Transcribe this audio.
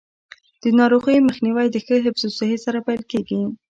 د ناروغیو مخنیوی د ښه حفظ الصحې سره پیل کیږي.